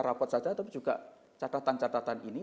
rapat saja tapi juga catatan catatan ini